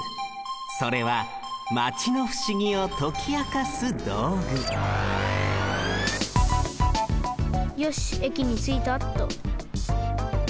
それはマチのふしぎをときあかすどうぐよしえきについたっと。